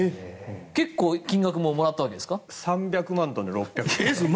結構、金額ももらったわけですか？